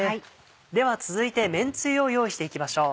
では続いて麺つゆを用意していきましょう。